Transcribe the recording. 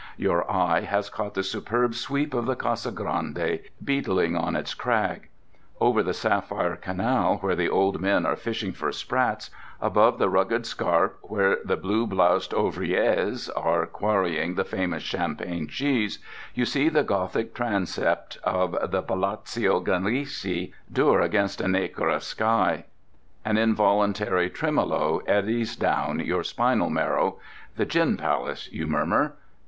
Your eye has caught the superb sweep of the Casa Grande beetling on its crag. Over the sapphire canal where the old men are fishing for sprats, above the rugged scarp where the blue bloused ouvriers are quarrying the famous champagne cheese, you see the Gothic transept of the Palazzio Ginricci, dour against a nacre sky. An involuntary tremolo eddies down your spinal marrow. The Gin Palace, you murmur....